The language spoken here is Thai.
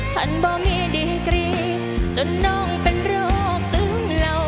บ่มีดีกรีจนน้องเป็นโรคซึ้งเหล่า